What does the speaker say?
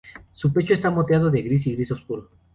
Su pecho está moteado de gris y gris oscuro.